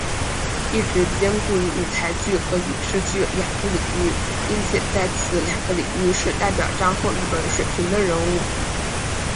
一直兼顾于舞台剧和影视剧两个领域并且在此两个领域是代表战后日本水平的人物。